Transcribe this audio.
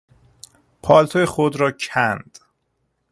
پالتو خود را کند.